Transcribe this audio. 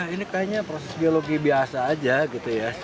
ini kayaknya proses biologi biasa aja gitu ya